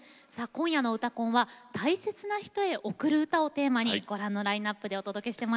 今夜の「うたコン」は「大切な人へ贈る歌」をテーマにご覧のラインナップでお届けしてまいります。